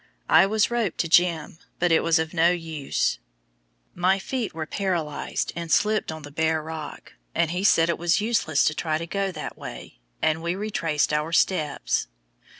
I was roped to "Jim," but it was of no use; my feet were paralyzed and slipped on the bare rock, and he said it was useless to try to go that way, and we retraced our steps.